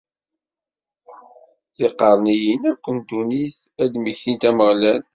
Tiqerniyin akk n ddunit ad d-mmektint Ameɣlal.